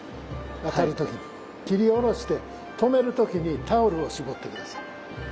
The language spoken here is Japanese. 斬り下ろして止める時にタオルを絞って下さい。